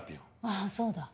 ああそうだ。